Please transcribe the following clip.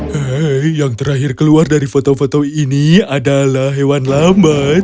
hei yang terakhir keluar dari foto foto ini adalah hewan lambat